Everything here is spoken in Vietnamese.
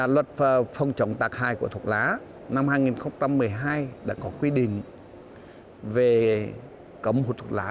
luật phòng chống tạc hại của thuốc lá năm hai nghìn một mươi hai đã có quy định về cấm hút thuốc lá